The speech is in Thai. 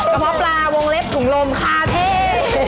เพาะปลาวงเล็บถุงลมคาเท่